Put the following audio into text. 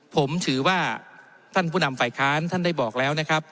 ผมถือว่าท่านผู้นำฝ่ายค้านท่านได้บอกแล้วนะครับ